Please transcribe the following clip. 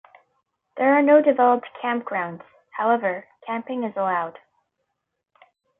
There are no developed campgrounds; however, camping is allowed.